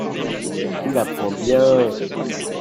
Il apprend bien.